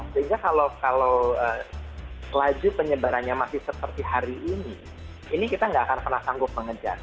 sehingga kalau laju penyebarannya masih seperti hari ini ini kita nggak akan pernah sanggup mengejar